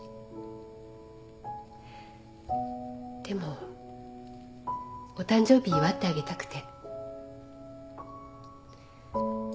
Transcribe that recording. でもお誕生日祝ってあげたくて。